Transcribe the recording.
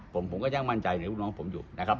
ผมผมก็ยังมั่นใจในลูกน้องผมอยู่นะครับ